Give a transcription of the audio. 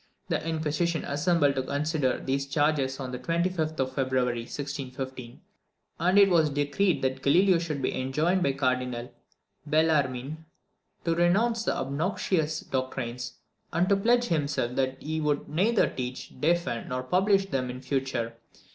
The inquisition assembled to consider these charges on the 25th of February 1615; and it was decreed that Galileo should be enjoined by Cardinal Bellarmine to renounce the obnoxious doctrines, and to pledge himself that he would neither teach, defend, nor publish them in future.